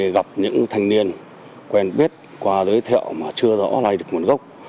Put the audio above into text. gặp những thanh niên quen biết qua giới thiệu mà chưa rõ lai được nguồn gốc